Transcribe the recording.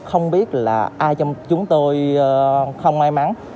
không biết là ai trong chúng tôi không may mắn